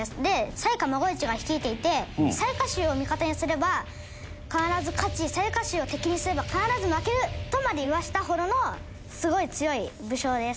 雑賀孫一が率いていて雑賀衆を味方にすれば必ず勝ち雑賀衆を敵にすれば必ず負けるとまで言わせたほどのすごい強い武将です。